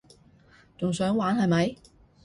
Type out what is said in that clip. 仲想玩係咪？